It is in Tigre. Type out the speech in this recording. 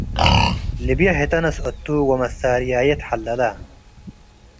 ልብዬ ህተ ነስአቱ ወመሳርያዬ ተሐለለ”